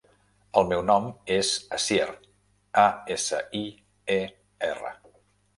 El meu nom és Asier: a, essa, i, e, erra.